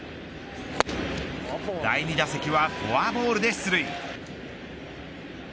第２打席はフォアボールで出塁。